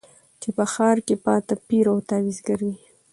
چي په ښار کي پاته پیر او تعویذګروي